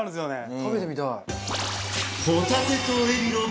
食べてみたい。